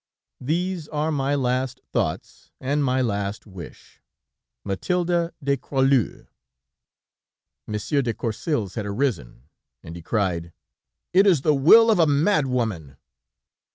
"'These are my last thoughts, and my last wish. "'MATHILDE DE CROIXLUCE.'" "'Monsieur de Courcils had arisen and he cried: "'It is the will of a mad woman.'